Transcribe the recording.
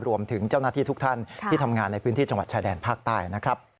รวมถึงเจ้าหน้าที่ทุกท่านที่ทำงานในพื้นที่จังหวัดชายแดนภาคใต้นะครับ